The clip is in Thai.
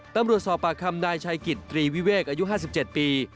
ตำรวจสอบปากคำนายชัยกิจตรีวิเวกอายุ๕๗ปี